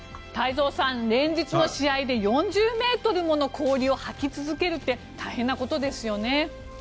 太蔵さん、連日の試合で４０ｍもの氷を掃き続けるって大変なことですよね。